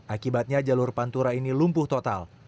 akibatnya jalur pantura ini lumpuh total